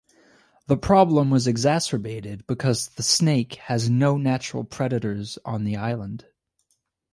The problem was exacerbated because the snake has no natural predators on the island.